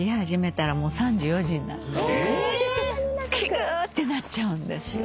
きゅってなっちゃうんですよね。